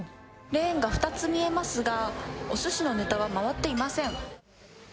レーンが２つ見えますが、お寿司のネタは回っていません。